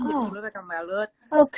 jadi dulu pakai pembalut